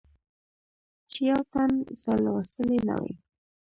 چې يو تن څۀ لوستي نۀ وي